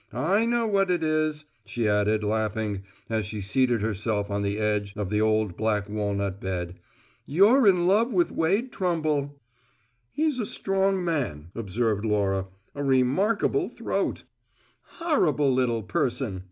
I know what it is," she added, laughing, as she seated herself on the edge of the old black walnut bed. "You're in love with Wade Trumble!" "He's a strong man," observed Laura. "A remarkable throat." "Horrible little person!"